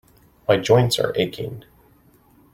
My joints are aching.